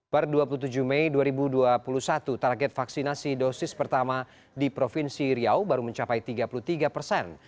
per dua puluh tujuh mei dua ribu dua puluh satu target vaksinasi dosis pertama di provinsi riau baru mencapai tiga puluh tiga persen